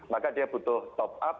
maka dia butuh top up